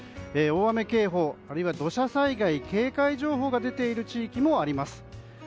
大雨警報、あるいは土砂災害警戒情報が出ている地域もあります。